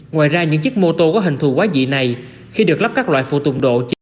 ngoài ra những chiếc mô tô có hình thù quá dị này khi được lắp các loại phụ tùng độ